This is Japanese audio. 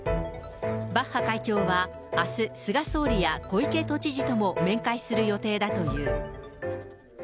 バッハ会長はあす、菅総理や小池都知事とも面会する予定だという。